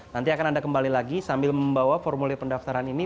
nanti akan anda kembali lagi sambil membawa formulir pendaftaran ini